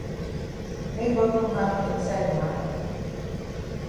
Make God put hand for inside the mata.